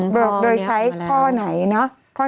โดยใช้ข้อไหนเนาะ